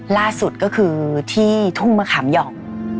ล่าสุดก็คือที่ทุ่งมะขามหย่อง